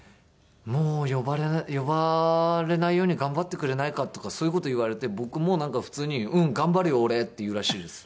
「もう呼ばれないように頑張ってくれないか」とかそういう事言われて僕もなんか普通に「うん頑張るよ俺」って言うらしいです。